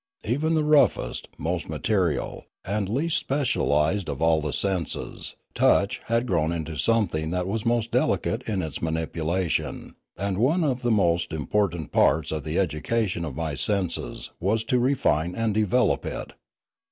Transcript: Even the roughest, most material, and least specialised of all the senses, touch, had grown into something that was most delicate in its manipulation; and one of the most important parts of the education of my senses was to refine and develop it.